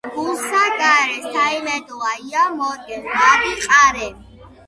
გულსა გარე საიმედოა ია მორგე , ვარდი ყარე.